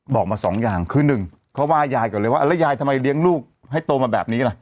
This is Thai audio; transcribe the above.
บอกมาสองอย่างคือหนึ่งเขาว่ายายก่อนเลยว่าแล้วยายทำไมเลี้ยงลูกให้โตมาแบบนี้ล่ะ